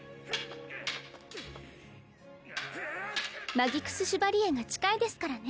マギクス・シュバリエが近いですからね